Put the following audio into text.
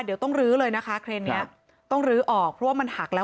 เดี๋ยวต้องลื้อเลยนะคะเครนนี้ต้องลื้อออกเพราะว่ามันหักแล้ว